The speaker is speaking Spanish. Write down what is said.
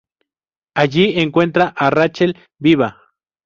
Allí encuentra a Rachael, viva.